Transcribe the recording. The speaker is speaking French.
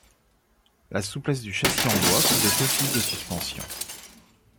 La souplesse du châssis en bois faisait office de suspension.